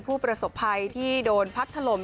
ผู้ประสบภัยที่โดนพัดถล่ม